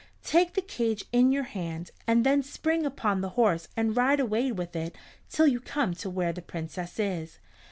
Take the cage in your hand and then spring upon the horse and ride away with it till you come to where the Princess is.